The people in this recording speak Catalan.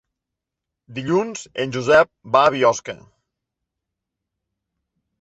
Dilluns en Josep va a Biosca.